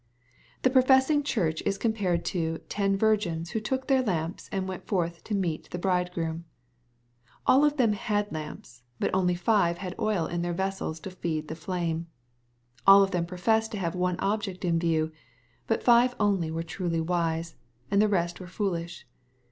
The professing Churcli is compared to "ten virgins, who took their lamps and went forth to meet the hridegroom." All of them had lamps, but only five had oil in their vessels to feed the flame. All of them professed to have one object in view, but five only were truly wise, and the rest were foolish.